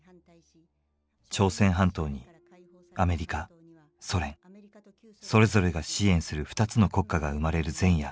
朝鮮半島にアメリカソ連それぞれが支援する２つの国家が生まれる前夜